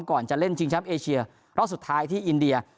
ก่อนจะเล่นชิงแชมป์เอเชียรอบสุดท้ายที่อินเดีย